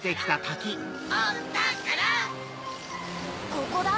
ここだ。